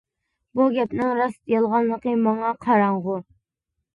بۇ گەپنىڭ راست -يالغانلىقى ماڭا قاراڭغۇ.